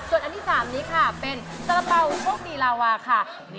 ส่วนอันที่๓นี้ค่ะเป็นสาระเป๋าโชคดีลาวาค่ะ